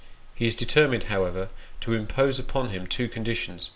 He is determined, however, to impose upon him two conditions.